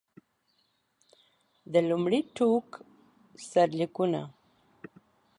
د لومړي ټوک سرلیکونه.